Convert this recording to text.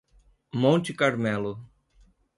Monte Carmelo